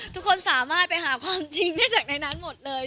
ทุกคนสามารถไปหาความจริงได้จากในนั้นหมดเลย